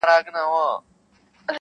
نه یم رسېدلی لا سپېڅلیي لېونتوب ته زه,